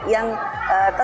yang tetap berhubungan